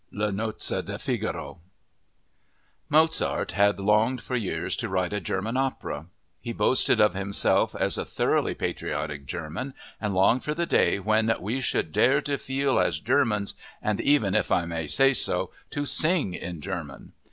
Le Nozze di Figaro Mozart had longed for years to write a German opera. He boasted of himself as a thoroughly patriotic German and longed for the day when "we should dare to 'feel as Germans and even, if I may say so, to sing in German.